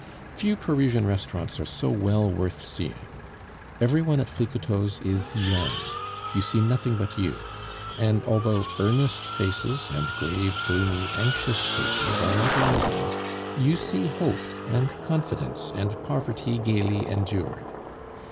Few Parisian restaurants are so well worth seeing. Every one at Flicoteaux's is young; you see nothing but youth; and although earnest faces and grave, gloomy, anxious faces are not lacking, you see hope and confidence and poverty gaily endured.